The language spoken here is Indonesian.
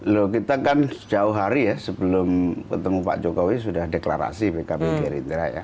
loh kita kan jauh hari ya sebelum ketemu pak jokowi sudah deklarasi pkb gerindra ya